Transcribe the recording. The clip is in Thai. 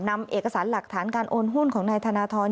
นำเอกสารหลักฐานการโอนหุ้นของนายธนทร